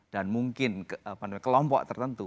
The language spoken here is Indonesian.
dan mungkin kelompok tertentu